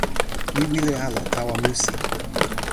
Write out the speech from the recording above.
mi wile ala tawa musi.